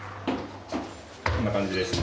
こんな感じですね。